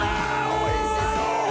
おいしそう！